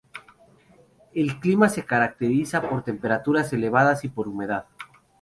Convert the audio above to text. El clima se caracteriza por temperaturas elevadas y por la humedad.